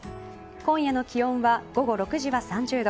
今夜の気温は午後６時は３０度。